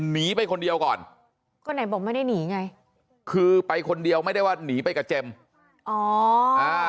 หนีไปคนเดียวก่อนก็ไหนบอกไม่ได้หนีไงคือไปคนเดียวไม่ได้ว่าหนีไปกับเจมส์อ๋ออ่า